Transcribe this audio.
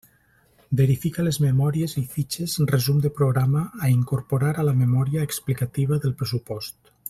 Verifica les memòries i fitxes resum de programa, a incorporar a la memòria explicativa del pressupost.